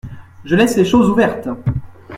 Je laisse les choses ouvertes.